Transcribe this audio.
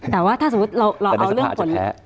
แต่ในสภาอาจจะแพ้